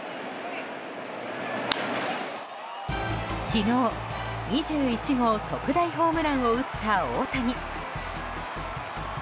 昨日、２１号特大ホームランを打った大谷。